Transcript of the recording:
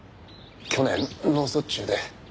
去年脳卒中で。